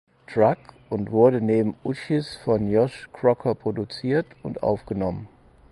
Track und wurde neben Uchis von Josh Crocker produziert und aufgenommen.